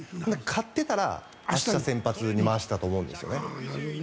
勝ってたら、明日先発に回したと思うんですね。